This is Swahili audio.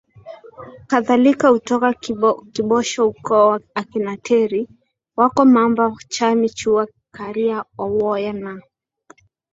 kadhalika hutoka KiboshoUkoo wa akina Teri wako Mamba Chami Chuwa Kiria Owoya na